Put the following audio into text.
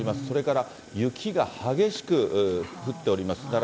それから雪が激しく降っております。